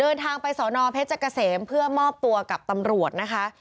เดินทางไปสอนอเพชรกระเสมเพื่อมอบตัวกับตำรวจ